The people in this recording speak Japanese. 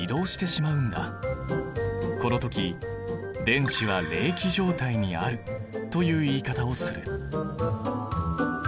この時「電子は励起状態にある」という言い方をする。